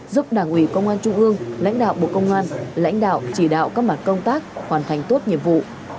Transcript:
giúp đảng ủy công an trung ương lãnh đạo bộ công an lãnh đạo chỉ đạo các mặt công tác hoàn thành tốt nhiệm vụ